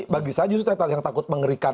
bagi saya justru yang takut mengerikan